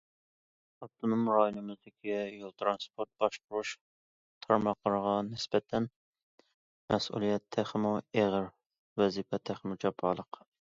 ئاپتونوم رايونىمىزدىكى يول تىرانسپورت باشقۇرۇش تارماقلىرىغا نىسبەتەن، مەسئۇلىيەت تېخىمۇ ئېغىر، ۋەزىپە تېخىمۇ جاپالىق.